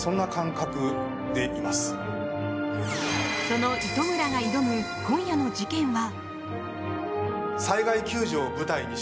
その糸村が挑む今夜の事件は。